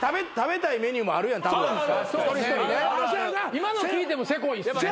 今の聞いてもセコいっすね。